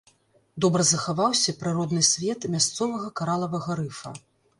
Добра захаваўся прыродны свет мясцовага каралавага рыфа.